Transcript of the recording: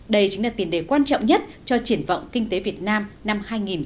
đây chính là tiền đề quan trọng nhất cho triển vọng kinh tế việt nam năm hai nghìn một mươi chín